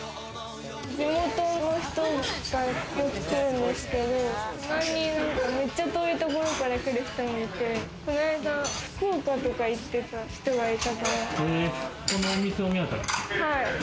地元の人がよく来るんですけれど、たまにめっちゃ遠いところから来る人もいて、この間、福岡とか言ってた人がいたから。